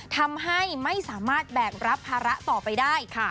ทำให้ไม่สามารถแบกรับภาระต่อไปได้ค่ะ